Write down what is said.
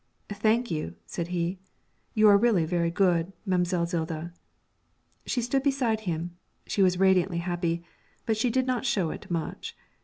'Thank you,' said he; 'you are really very good, Mam'selle Zilda.' She stood beside him; she was radiantly happy, but she did not show it much.